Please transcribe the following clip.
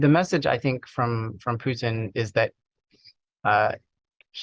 maksud saya dari putin adalah